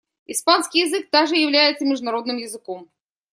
Испанский язык также является международным языком.